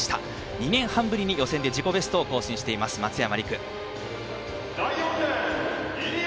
２年半ぶりに予選で自己ベストを更新しています松山。